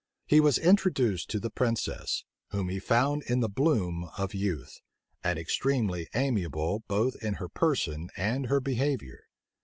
He was introduced to the princess, whom he found in the bloom of youth, and extremely amiable both in her person and her behavior.